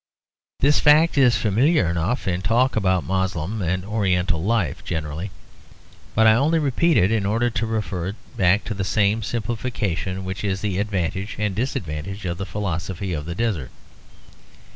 This fact is familiar enough in talk about Moslem and oriental life generally; but I only repeat it in order to refer it back to the same simplification which is the advantage and disadvantage of the philosophy of the desert.